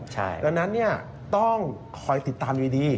และนั้นต้องคอยติดตามดี